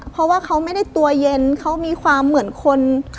เพราะว่าเขาไม่ได้ตัวเย็นเขามีความเหมือนคน